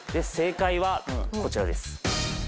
正解はこちらです。